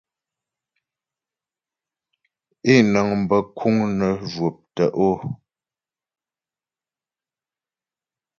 Ě nəŋ bə kùŋ nə jwɔ̀p tə’o.